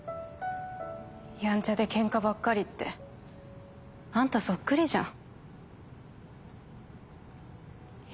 やんちゃで喧嘩ばっかりってあんたそっくりじゃん。